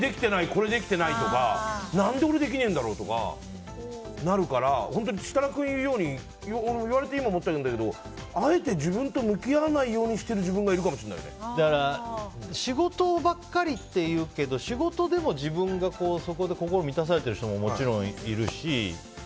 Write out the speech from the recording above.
これできてないとか何で俺できねえんだろうとかなるから設楽君が言うように俺も言われて今思ったんだけどあえて自分と向き合わないようにしている自分が仕事ばっかりっていうけど仕事でも自分がそこで心満たされている人ももちろんいるし。